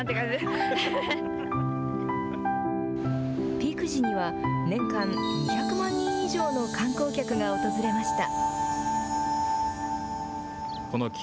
ピーク時には年間２００万人以上の観光客が訪れました。